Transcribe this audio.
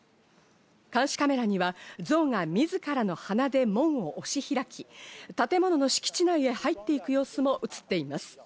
監視カメラにはゾウが自らの鼻で門を押し開き、建物の敷地内に入っていく様子も映っています。